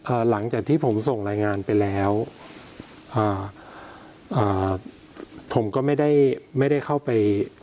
หลังจากที่ผมส่งรายงานไปแล้วอ่าอ่าผมก็ไม่ได้ไม่ได้เข้าไป